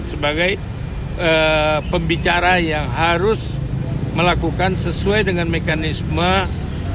sebagai pembicara yang harus melakukan sesuai dengan mekanisme